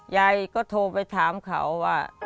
ยายก็โทรไปถามเขาว่า